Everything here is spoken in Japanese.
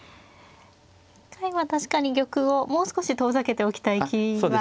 一回は確かに玉をもう少し遠ざけておきたい気はしますね。